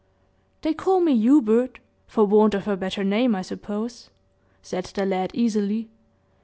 "They call me Hubert for want of a better name, I suppose," said the lad, easily.